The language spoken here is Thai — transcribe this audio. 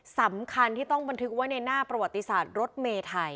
สำคัญที่ต้องบันทึกไว้ในหน้าประวัติศาสตร์รถเมไทย